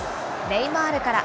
ネイマールから。